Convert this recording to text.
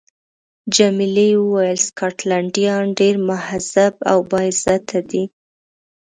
جميلې وويل: سکاټلنډیان ډېر مهذب او با عزته دي.